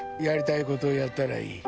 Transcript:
やりたいことやったらいい。